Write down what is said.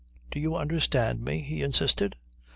Do you understand me?" he insisted.